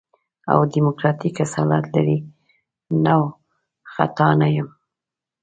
او ديموکراتيک اصالت لري نو خطا نه يم.